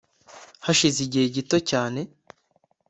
Hashize igihe gito cyane